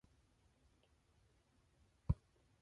He lives in Melbourne in partnership with Sonia Leber.